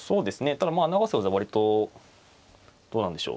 ただまあ永瀬王座割とどうなんでしょう